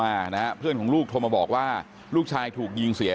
อายุ๑๐ปีนะฮะเขาบอกว่าเขาก็เห็นถูกยิงนะครับ